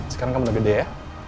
sekarang kamu udah gede ya